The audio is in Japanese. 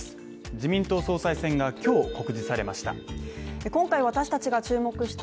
自民党総裁選が今日告示されました。